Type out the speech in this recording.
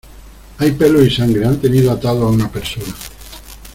hay pelos y sangre. han tenido atado a una persona .